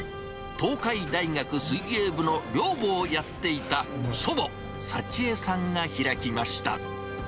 東海大学水泳部の寮母をやっていた祖母、幸恵さんが開きました。